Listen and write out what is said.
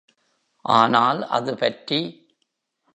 ஆனால் அது பற்றி.